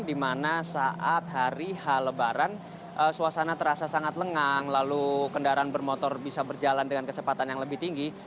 di mana saat hari h lebaran suasana terasa sangat lengang lalu kendaraan bermotor bisa berjalan dengan kecepatan yang lebih tinggi